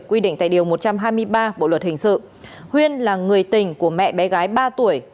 quy định tại điều một trăm hai mươi ba bộ luật hình sự huyên là người tình của mẹ bé gái ba tuổi